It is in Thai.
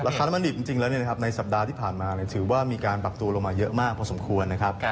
ค้าน้ำมันดิบจริงแล้วในสัปดาห์ที่ผ่านมาถือว่ามีการปรับตัวลงมาเยอะมากพอสมควรนะครับ